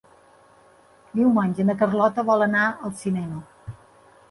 Diumenge na Carlota vol anar al cinema.